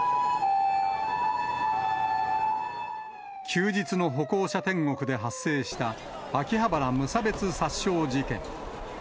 休日の歩行者天国で発生した、秋葉原無差別殺傷事件。